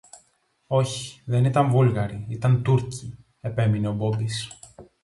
Όχι, δεν ήταν Βούλγαροι, ήταν Τούρκοι, επέμεινε ο Μπόμπης.